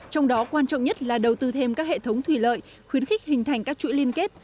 trong đó quan trọng nhất là đầu tư thêm các hệ thống thủy lợi khuyến khích hình thành các chuỗi liên kết